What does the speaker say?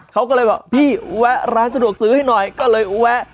เขาก็เลยบอกพี่แวะร้านสะดวกซื้อให้หน่อยก็เลยแวะ